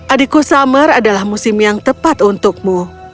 adikku summer adalah musim yang tepat untukmu